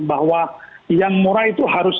bahwa yang murah itu harus